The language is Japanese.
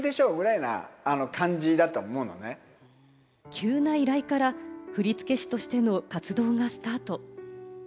急な依頼から振付師としての活動がスタート。